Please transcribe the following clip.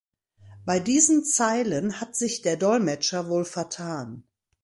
Bei diesen Zeilen hat sich der Dolmetscher wohl vertan.